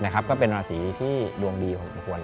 ก็เป็นราศีที่ดวงดีของมันควรเลย